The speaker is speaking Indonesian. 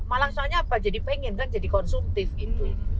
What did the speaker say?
malah soalnya apa jadi pengen kan jadi konsumtif gitu